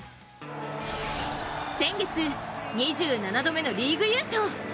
先月２７度目のリーグ優勝。